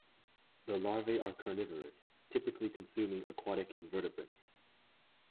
The larvae are carnivorous, typically consuming aquatic invertebrates.